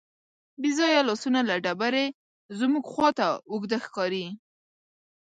بېځانه لاسونه له ډبرې زموږ خواته اوږده ښکاري.